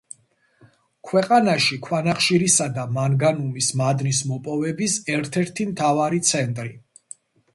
ქვეყანაში ქვანახშირისა და მანგანუმის მადნის მოპოვების ერთ-ერთი მთავარი ცენტრი.